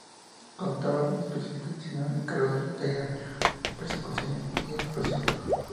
Contaba con especialistas de cine encargados de las caídas, persecuciones y explosiones.